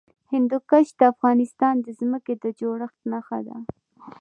هندوکش د افغانستان د ځمکې د جوړښت نښه ده.